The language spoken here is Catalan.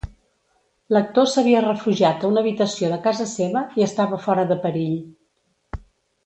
L'actor s'havia refugiat a una habitació de casa seva i estava fora de perill.